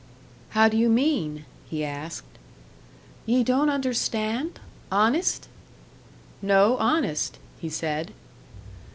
"How do you mean?" he asked. "Ye don't understand? Honest?" "No, honest," he said.